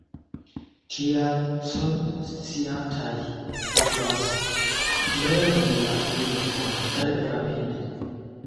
Tial, C-sciantaj povas lerni la lingvon tre rapide.